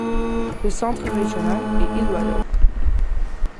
Le centre régional est Iloilo.